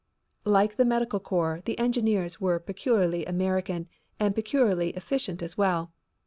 Like the medical corps, the engineers were peculiarly American and peculiarly efficient as well.